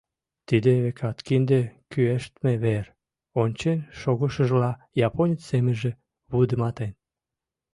«Тиде, векат, кинде кӱэштме вер», — ончен шогышыжла японец семынже вудыматен.